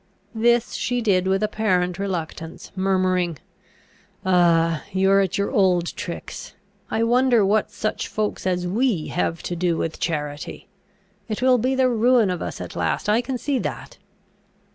This she did with apparent reluctance, murmuring, "Ah! you are at your old tricks; I wonder what such folks as we have to do with charity! It will be the ruin of us at last, I can see that!"